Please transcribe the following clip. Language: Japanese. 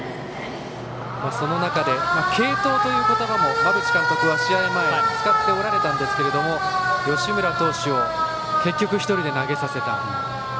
その中で、継投という言葉も馬淵監督は試合前、使っておられたんですが吉村投手を結局１人で投げさせた。